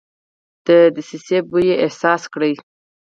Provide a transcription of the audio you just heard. دسیسې بوی احساس کړ.